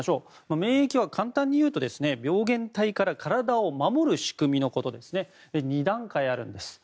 免疫は、簡単に言うと病原体から体を守る仕組みのことですね。